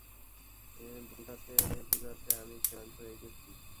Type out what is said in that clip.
বুঝাতে বুঝাতে আমি ক্লান্ত হয়ে গেছি!